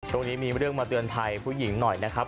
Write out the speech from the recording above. ตรงนี้มีเรื่องมาเตือนภัยผู้หญิงหน่อยนะครับ